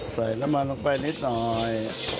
ใส่น้ำมันลงไปนิดหน่อย